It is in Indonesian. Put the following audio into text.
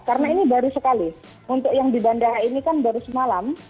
karena ini baru sekali untuk yang di bandara ini kan baru semalam